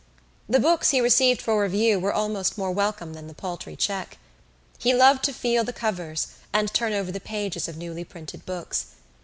The books he received for review were almost more welcome than the paltry cheque. He loved to feel the covers and turn over the pages of newly printed books.